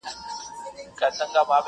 له توتکیو به وي تشې د سپرلي لمني؛